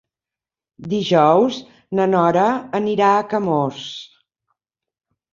Dijous na Nora anirà a Camós.